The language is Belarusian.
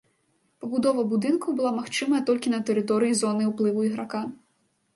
Пабудова будынкаў была магчымая толькі на тэрыторыі зоны ўплыву іграка.